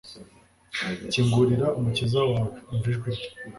kingurira umukiza wawe, umva ijwi rye